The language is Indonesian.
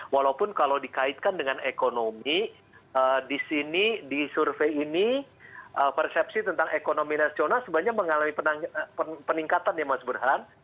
walaupun kalau dikaitkan dengan ekonomi di sini di survei ini persepsi tentang ekonomi nasional sebenarnya mengalami peningkatan ya mas burhan